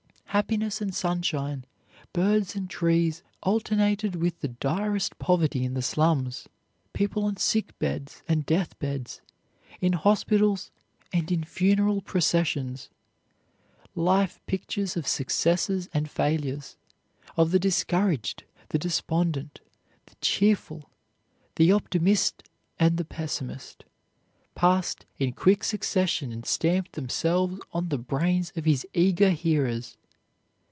Happiness and sunshine, birds and trees alternated with the direst poverty in the slums, people on sick beds and death beds, in hospitals and in funeral processions; life pictures of successes and failures, of the discouraged, the despondent, the cheerful, the optimist and the pessimist, passed in quick succession and stamped themselves on the brains of his eager hearers.